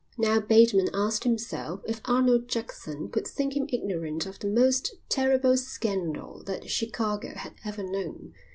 Now Bateman asked himself if Arnold Jackson could think him ignorant of the most terrible scandal that Chicago had ever known.